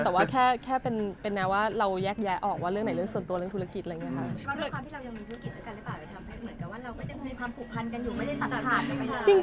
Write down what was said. แต่ว่าแค่เป็นแนวว่าเราแยกแยะออกว่าเรื่องไหนเรื่องส่วนตัวเรื่องธุรกิจอะไรอย่างนี้ค่ะ